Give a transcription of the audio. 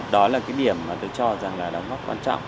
đó là cái điểm mà tôi cho rằng là đóng góp quan trọng